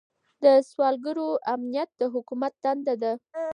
د سوداګرو امنیت د حکومت دنده ده.